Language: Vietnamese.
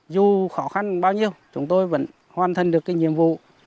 dù khó khăn bao nhiêu chúng tôi vẫn hoàn thành được cái nhiệm vụ